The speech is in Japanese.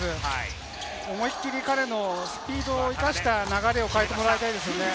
思い切り、彼のスピードを生かした流れを変えてもらいたいです。